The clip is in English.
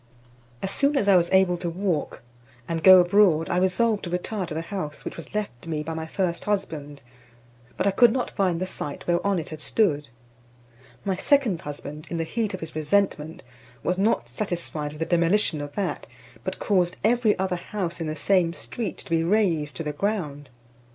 As soon as I was able to walk, and go abroad, I resolved to retire to the house which was left me by my first husband, but I could not find the site whereon it had stood. My second husband, in the heat of his resentment, was not satisfied with the demolition of that, but caused every other house in the same street to be razed to the ground.